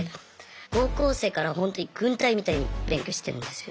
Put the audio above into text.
高校生からほんとに軍隊みたいに勉強してるんですよ。